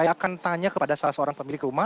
saya akan tanya kepada salah seorang pemilik rumah